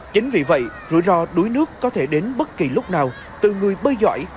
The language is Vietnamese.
chính vì vậy rủi ro đuối nước có thể đến bất kỳ lúc nào từ người bơi giỏi